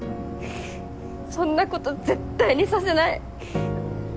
そんなこと絶対にさせない。